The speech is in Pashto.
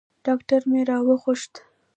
ډاکتر مې راوغوښت.